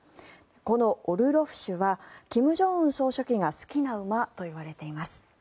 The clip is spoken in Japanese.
このオルロフ種は金正恩総書記が好きな馬といわれています。